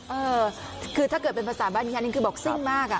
เออคือถ้าเกิดเป็นภาษาบ้านดิฉันนี่คือบอกซิ่งมากอ่ะ